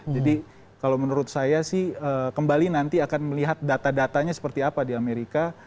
jadi kalau menurut saya sih kembali nanti akan melihat data datanya seperti apa di amerika